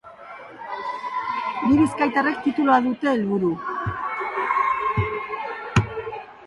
Bi bizkaitarrek tituloa dute helburu.